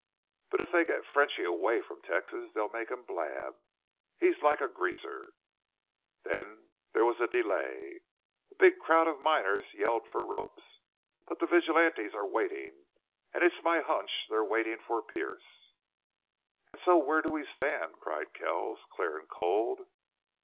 But if they git Frenchy away from Texas they'll make him blab. He's like a greaser. Then there was a delay. The big crowd of miners yelled for ropes. But the vigilantes are waitin', an' it's my hunch they're waitin' for Pearce." "So! And where do we stand?" cried Kells, clear and cold.